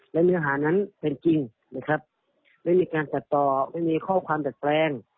และเนื้อหานั้นเป็นจริงนะครับไม่มีการตัดต่อไม่มีข้อความดัดแปลง